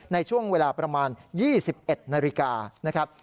ในช่วงเวลาประมาณ๒๑นาฬิกานะครับ